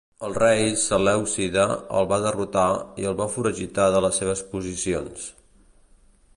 El rei selèucida el va derrotar i el va foragitar de les seves posicions.